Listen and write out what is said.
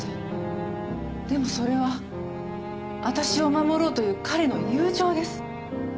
でもそれは私を守ろうという彼の友情です。